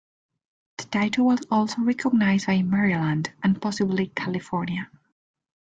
The title was also recognized by Maryland, and possibly California.